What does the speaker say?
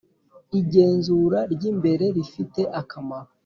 igenzura ry imbere rifite akamaro